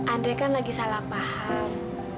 andre kan lagi salah paham